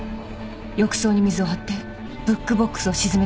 浴槽に水を張ってブックボックスを沈めてください。